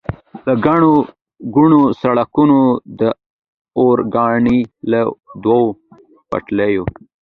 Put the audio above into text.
له ګڼو وړو سړکونو، د اورګاډي له دوو پټلیو.